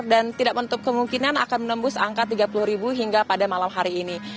dan tidak menutup kemungkinan akan menembus angka tiga puluh hingga pada malam hari ini